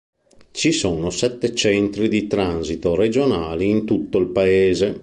Ci sono sette centri di transito regionali in tutto il paese.